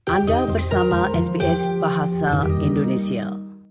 anda bersama sbs bahasa indonesia